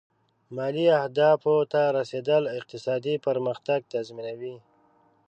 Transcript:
مالي اهدافو ته رسېدل اقتصادي پرمختګ تضمینوي.